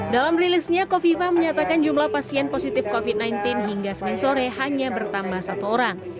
dalam rilisnya kofifa menyatakan jumlah pasien positif covid sembilan belas hingga senin sore hanya bertambah satu orang